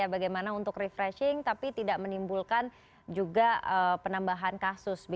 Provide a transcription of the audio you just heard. bagaimana untuk refreshing tapi tidak menimbulkan juga penambahan kasus